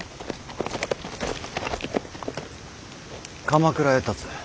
鎌倉へたつ。